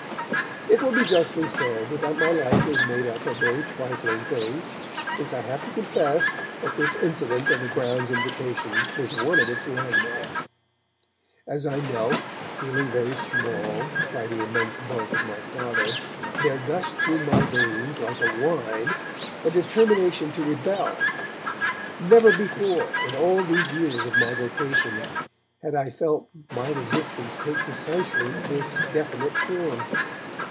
It will be justly said that my life was made up of very trifling things, since I have to confess that this incident of the Browns' invitation was one of its landmarks. As I knelt, feeling very small, by the immense bulk of my Father, there gushed though my veins like a wine the determination to rebel. Never before, in all these years of my vocation, had I felt my resistance take precisely this definite form.